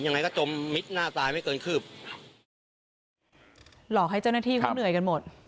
ยังไงก็จมมิดหน้าตายไม่เกินคืบหลอกให้เจ้าหน้าที่เขาเหนื่อยกันหมด